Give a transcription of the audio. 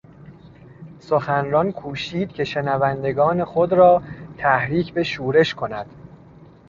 سخنران کوشید که شنوندگان خود را تحریک به شورش کند.